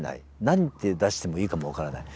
何て出していいかも分からない。